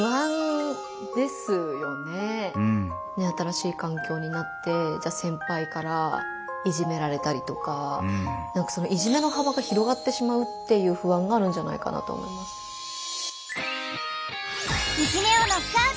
新しい環境になってじゃ先輩からいじめられたりとかいじめの幅が広がってしまうっていう不安があるんじゃないかなと思います。